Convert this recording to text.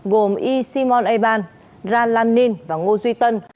gồm y simon eban ra lan ninh và ngô duy tân